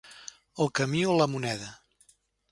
El camí o la moneda.